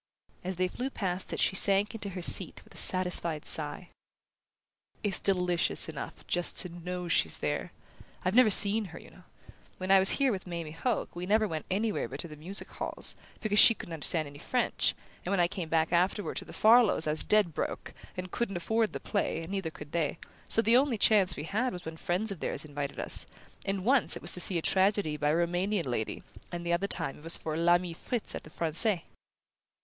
As they flew past it she sank into her seat with a satisfied sigh. "It's delicious enough just to KNOW she's there! I've never seen her, you know. When I was here with Mamie Hoke we never went anywhere but to the music halls, because she couldn't understand any French; and when I came back afterward to the Farlows' I was dead broke, and couldn't afford the play, and neither could they; so the only chance we had was when friends of theirs invited us and once it was to see a tragedy by a Roumanian lady, and the other time it was for 'L'Ami Fritz' at the Francais."